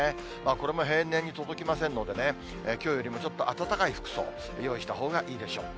これも平年に届きませんのでね、きょうよりもちょっと暖かい服装、用意したほうがいいでしょう。